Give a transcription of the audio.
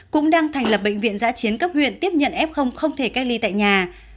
cũng đang thành lập bệnh viện giã chiến cấp huyện tiếp nhận f không thể cách ly tại nhà